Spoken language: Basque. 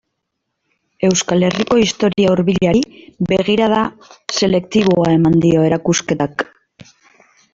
Euskal Herriko historia hurbilari begirada selektiboa eman dio erakusketak.